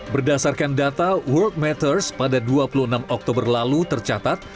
berdasarkan data world matters pada dua puluh enam oktober lalu tercatat